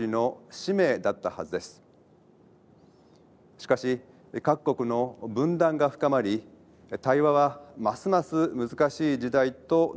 しかし各国の分断が深まり対話はますます難しい時代となっています。